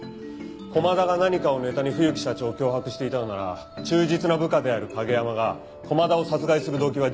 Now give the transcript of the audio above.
駒田が何かをネタに冬木社長を脅迫していたのなら忠実な部下である景山が駒田を殺害する動機は十分です。